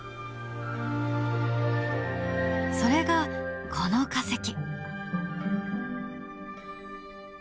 それがこの化石。